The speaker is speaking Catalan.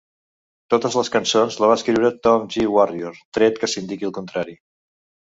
Totes les cançons les va escriure Tom G. Warrior, tret que s'indiqui el contrari.